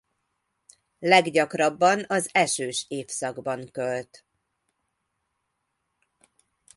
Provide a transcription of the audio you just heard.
Leggyakrabban az esős évszakban költ.